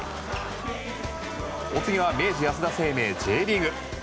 お次は、明治安田生命Ｊリーグ。